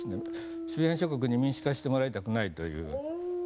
周辺諸国に民主化してほしくないという。